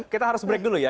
kita harus break dulu ya